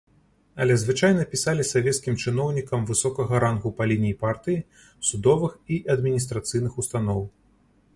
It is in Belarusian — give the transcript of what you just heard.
Але звычайна пісалі савецкім чыноўнікам высокага рангу па лініі партыі, судовых і адміністрацыйных устаноў.